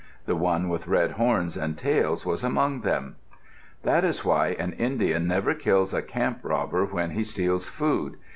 The one with red horns and tails was among them. That is why an Indian never kills a camp robber when he steals food.